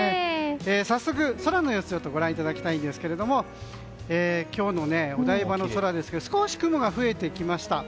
早速空の様子をご覧いただきたいんですが今日のお台場の空は少し雲が増えてきました。